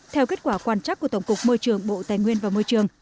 theo kết quả quan trắc của tổng cục môi trường bộ tài nguyên và môi trường